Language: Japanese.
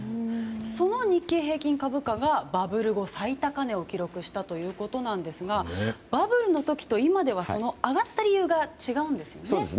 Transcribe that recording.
その日経平均株価がバブル後、最高値を記録したということですがバブルの時と今では上がった理由が違うんですよね。